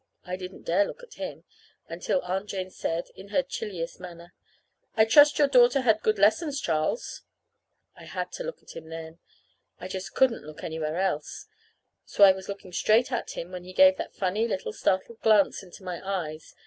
I didn't dare to look at him until Aunt Jane said, in her chilliest manner: "I trust your daughter had good lessons, Charles." I had to look at him then. I just couldn't look anywhere else. So I was looking straight at him when he gave that funny little startled glance into my eyes.